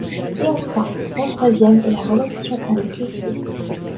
Et enfin, la troisième est la relation avec les idées.